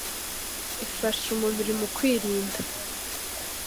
ifasha umubiri mu kwirinda